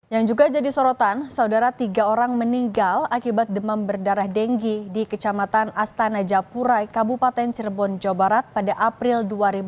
yang juga jadi sorotan saudara tiga orang meninggal akibat demam berdarah denggi di kecamatan astana japurai kabupaten cirebon jawa barat pada april dua ribu dua puluh